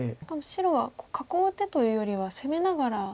しかも白は囲う手というよりは攻めながら。